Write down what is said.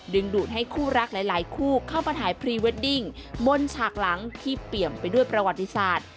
ดูดให้คู่รักหลายคู่เข้ามาถ่ายพรีเวดดิ้งบนฉากหลังที่เปี่ยมไปด้วยประวัติศาสตร์